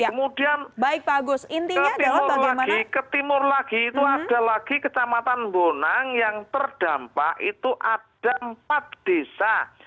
kemudian ke timur lagi ke timur lagi itu ada lagi kecamatan bonang yang terdampak itu ada empat desa